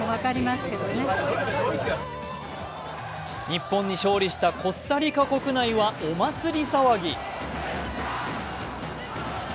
日本に勝利したコスタリカ国内はお祭り騒ぎ。